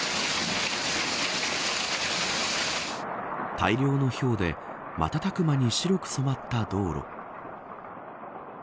大量のひょうで瞬く間に白く染まった道路。